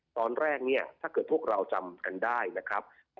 ตอนแรกเนี่ยถ้าเกิดพวกเราจำกันได้นะครับ